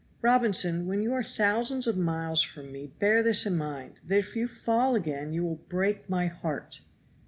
"Robinson, when you are thousands of miles from me bear this in mind, that if you fall again you will break my heart."